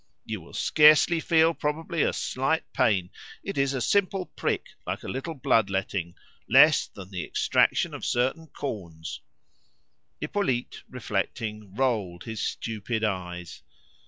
"You will scarcely feel, probably, a slight pain; it is a simple prick, like a little blood letting, less than the extraction of certain corns." Hippolyte, reflecting, rolled his stupid eyes.